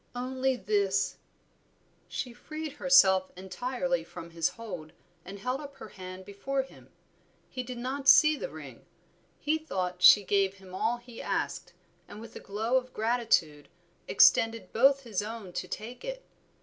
"Only this." She freed herself entirely from his hold and held up her hand before him. He did not see the ring; he thought she gave him all he asked, and with a glow of gratitude extended both his own to take it.